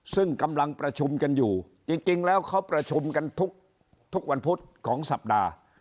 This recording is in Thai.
ซึ่งกำลังประชุมกันอยู่จริงแล้วเขาประชุมกันทุกวันพุธของสัปดาห์